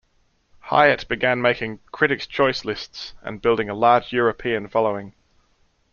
Hiatt began making "critics choice" lists and building a large European following.